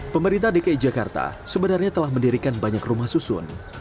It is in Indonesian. pemerintah dki jakarta sebenarnya telah mendirikan banyak rumah susun